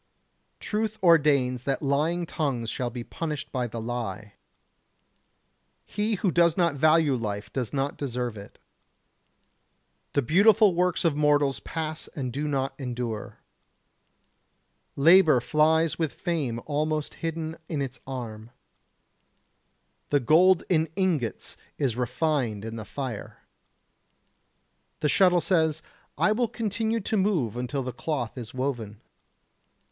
Truth ordains that lying tongues shall be punished by the lie. He who does not value life does not deserve it. The beautiful works of mortals pass and do not endure. Labour flies with fame almost hidden in its arm. The gold in ingots is refined in the fire. The shuttle says: I will continue to move until the cloth is woven.